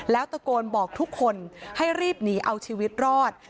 แล้วตะโกนบอกทุกคนให้รีบหนีเอาชีวิตรอด